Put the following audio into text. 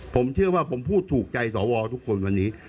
ผมเชื่อว่าผมพูดถูกใจสวทุกคนวันนี้